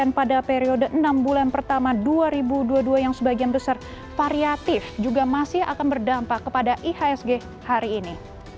dan juga dari dalam periode enam bulan pertama dua ribu dua puluh dua yang sebagian besar variatif juga masih akan berdampak kepada ihsg hari ini